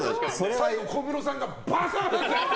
最後、小室さんがバサッって。